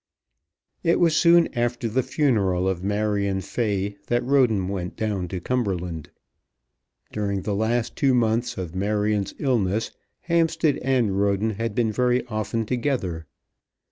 It was soon after the funeral of Marion Fay that Roden went down to Cumberland. During the last two months of Marion's illness Hampstead and Roden had been very often together.